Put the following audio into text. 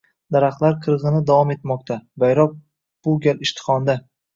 Daraxtlar «qirg‘in»i davom etmoqda, bayroq bu gal Ishtixonda